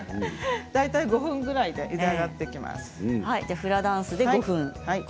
大体５分ぐらいでフラダンスで５分。